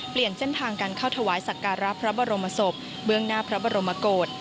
เปลี่ยนเส้นทางการเข้าถวายสักการะพระบรมศพเบื้องหน้าพระบรมโกศ